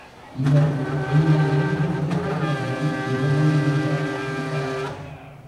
இவர் இந்த இரண்டு வேஷங்களிலும் மிகவும் நன்றாய் நடித்தார்.